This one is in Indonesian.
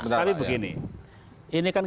tapi begini ini kan